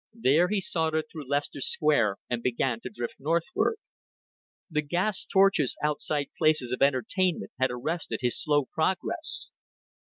Then he sauntered through Leicester Square and began to drift northward. The gas torches outside places of entertainment had arrested his slow progress.